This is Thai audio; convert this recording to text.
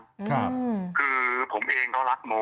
คือผมเองก็รักโม